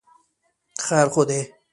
خیر خو دی.